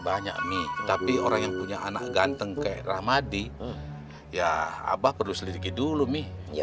banyak mie tapi orang yang punya anak ganteng kayak rahmadi ya abah perlu selidiki dulu mi